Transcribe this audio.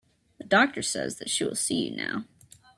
The doctor says that she will see you now.